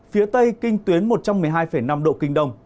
phía tây kinh tuyến một trăm một mươi hai năm độ kinh đông